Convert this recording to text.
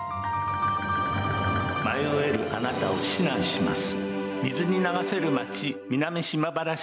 迷えるあなたを指南します。